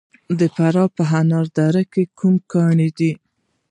د فراه په انار دره کې کوم کان دی؟